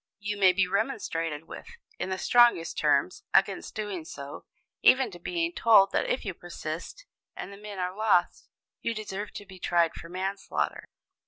You may be remonstrated with, in the strongest terms, against doing so, even to being told that if you persist, and the men are lost, you deserve to be tried for manslaughter.